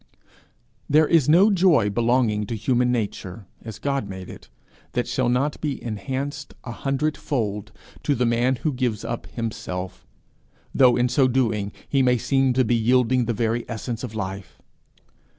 There is no joy belonging to human nature, as God made it, that shall not be enhanced a hundredfold to the man who gives up himself though, in so doing, he may seem to be yielding the very essence of life.